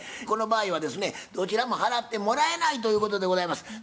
この場合はですねどちらも払ってもらえないということでございます。